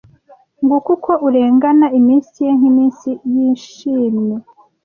nguko uko urengana iminsi ye nk'iminsi yishimye